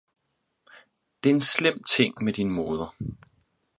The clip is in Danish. Det er en slem ting med din moder